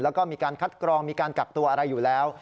แล้วก็มีการคัดกรองมีการกักตัวอะไรอยู่แล้ว